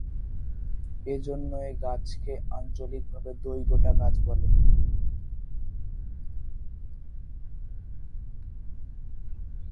এজন্যে এ গাছকে আঞ্চলিকভাবে দই-গোটা গাছ বলে।